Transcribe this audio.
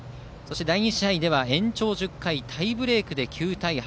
第２試合では延長１０回タイブレークで９対８。